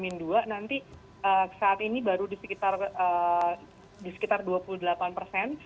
nanti saat ini baru di sekitar dua puluh delapan persen